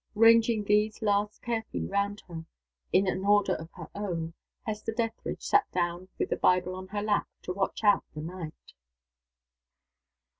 Ranging these last carefully round her, in an order of her own, Hester Dethridge sat down with the Bible on her lap to watch out the night.